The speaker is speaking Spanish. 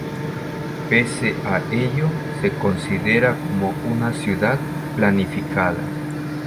Pese a ello se considera como una ciudad planificada.